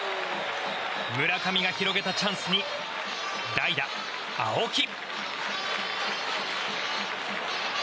村上が広げたチャンスに代打、青木。